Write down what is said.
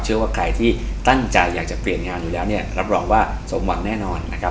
เชื่อว่าใครที่ตั้งใจอยากจะเปลี่ยนงานอยู่แล้วเนี่ยรับรองว่าสมหวังแน่นอนนะครับ